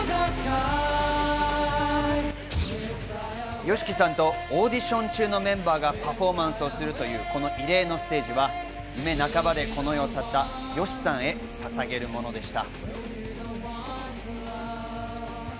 ＹＯＳＨＩＫＩさんとオーディション中のメンバーがパフォーマンスをするという、この異例のステージは、夢半ばでこの世を去ったＹＯＳＨＩさんへささげるものでした。